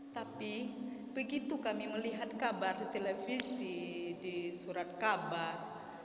tapi begitu kami melihat kabar di televisi di surat kabar